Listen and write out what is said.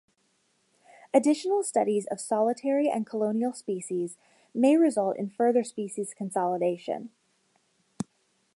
Additional studies of solitary and colonial species may result in further species consolidation.